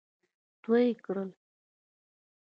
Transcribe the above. تو يې کړل.